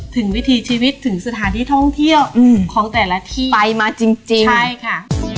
วิถีชีวิตถึงสถานที่ท่องเที่ยวของแต่ละที่ไปมาจริงจริงใช่ค่ะ